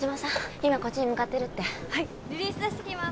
今こっちに向かってるってリリース出してきます